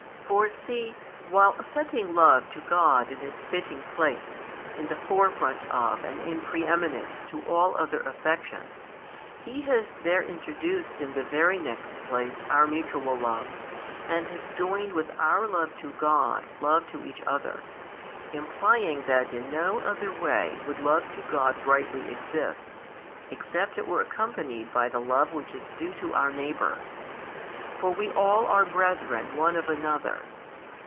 For see, while setting love to God in its fitting place, in the forefront of and in preeminence to all other affections, He has there introduced in the very next place our mutual love, and has joined with our love to God love to each other, implying that in no other way would love to God rightly exist, except it were accompanied by the love which is due to our neighbour. For we all are brethren one of another.